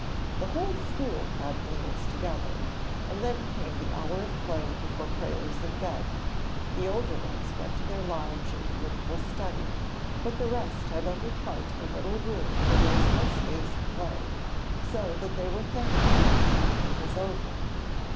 The whole school had meals together, and then came the hour of play before prayers and bed. The older ones went to their large and beautiful study, but the rest had only quite a little room where there was no space to play, so that they were thankful when the evening was over.